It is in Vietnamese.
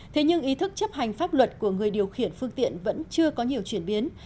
thế nhưng ý thức chấp hành pháp luật của người điều khiển phương tiện vẫn chưa có nhiều chuyển biến